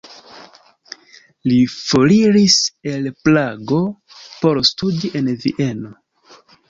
Li foriris el Prago por studi en Vieno.